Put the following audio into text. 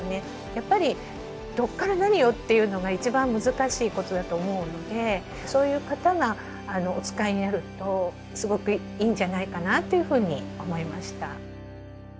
やっぱりどっから何をっていうのが一番難しいことだと思うのでそういう方がお使いになるとすごくいいんじゃないかなっていうふうに思いました。